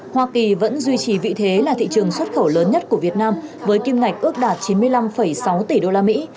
hoa kỳ vẫn duy trì vị thế là thị trường xuất khẩu lớn nhất của việt nam với kim ngạch ước đạt chín mươi năm sáu tỷ đô la mỹ